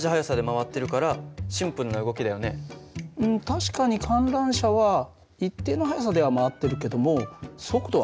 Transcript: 確かに観覧車は一定の速さでは回ってるけどもえっ速度？